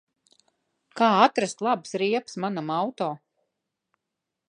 Kā atrast labas riepas manam auto?